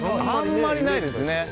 あんまりないですね。